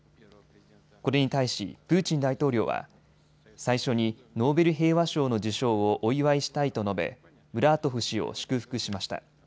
これに対しプーチン大統領は最初にノーベル平和賞の受賞をお祝いしたいと述べ、ムラートフ氏を祝福しました。